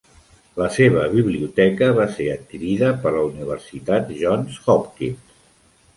La seva biblioteca va ser adquirida per la Universitat Johns Hopkins.